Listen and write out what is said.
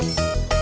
gak usah bayar